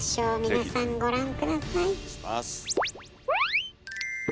皆さんご覧下さい。